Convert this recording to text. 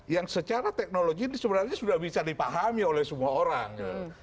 yang secara teknologi ini sebenarnya sudah bisa dipahami oleh semua orang